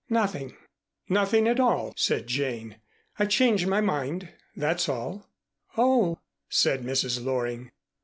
"Nothing nothing at all," said Jane. "I've changed my mind that's all." "Oh," said Mrs. Loring.